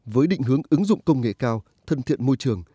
với định hướng ứng dụng công nghệ cao thân thiện môi trường